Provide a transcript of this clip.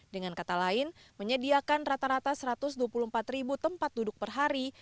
dengan kata lain menyediakan rata rata satu ratus dua puluh empat ribu tempat duduk per hari